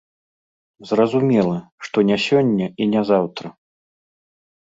Зразумела, што не сёння і не заўтра.